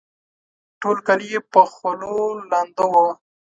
ټول کالي یې په خولو لانده وه